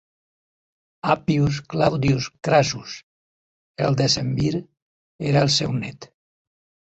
Appius Claudius Crassus, el decemvir, era el seu net.